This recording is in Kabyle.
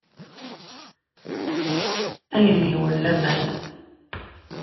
Ad neg deg-wen laman.